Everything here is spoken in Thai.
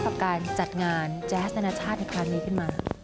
พวกการจัดงานแจ๊สแนลชาติในประชานี้ขึ้นมา